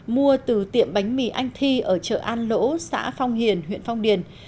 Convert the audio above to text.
mua từ tiệm bánh mì anh thi ở chợ an lỗ xã phong hiền huyện phong điền